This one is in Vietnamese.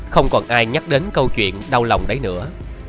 không còn ai nhắc đến câu chuyện đau lòng đấy nữa